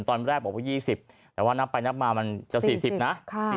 ตอนแรกบอกว่ายี่สิบแต่ว่านับไปนับมามันจะสี่สิบนะค่ะ